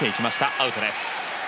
アウトです。